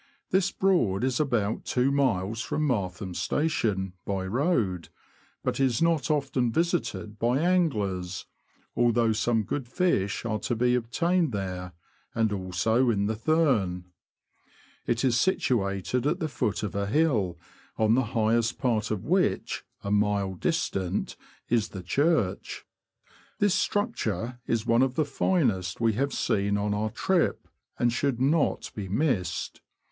This Broad is about two miles from Martham Station by road, but is not often visited by anglers, although some good fish are to be obtained there, and also in the Thurne. It is situated at the foot of a hill, on the highest part of which, a mile distant, is the church. This structure is one of the finest we have seen on our trip, and should not be missed.